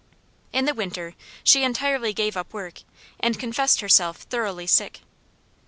In the winter she entirely gave up work, and confessed herself thoroughly sick.